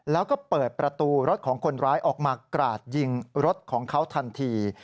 แล้วก็เปิดประตูรถของคนร้ายออกมากราดยิงรถของเขาทันที